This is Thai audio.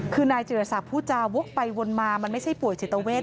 คือนายจิรษักผู้จาวกไปวนมามันไม่ใช่ป่วยจิตเวท